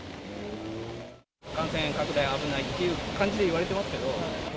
感染拡大危ないっていう感じでいわれてますけど。